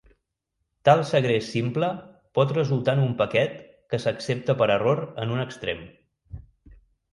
Tal segrest simple pot resultar en un paquet que s'accepta per error en un extrem.